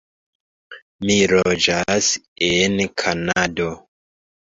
Mi loĝas en Kanado.